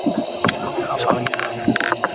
嗯我順便提到這一點